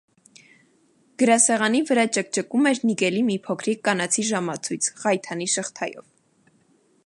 Գրասեղանի վրա ճկճկում էր նիկելի մի փոքրիկ կանացի ժամացույց ղայթանի շղթայով: